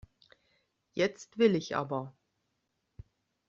Jetzt will ich aber.